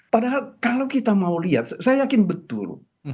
padahal kalau kita mau lihat saya yakin betul